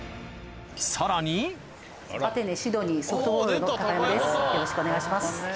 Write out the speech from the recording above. さらによろしくお願いします。